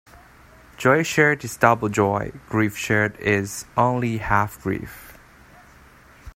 Joy shared is double joy; grief shared is only half grief.